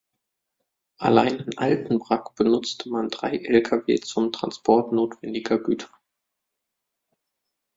Allein in Altenbrak benutzte man drei Lkw zum Transport notwendiger Güter.